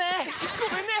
ごめんね！